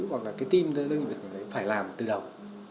hoặc là cái team đơn vị khởi nghiệp đấy phải làm từ đầu